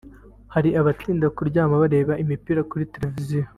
hari abatinda kuryama bareba imipira kuri za televiziyo